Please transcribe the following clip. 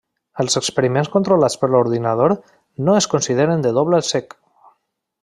Els experiments controlats per ordinador no es consideren de doble cec.